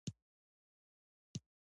ژورې سرچینې د افغانستان د جغرافیې بېلګه ده.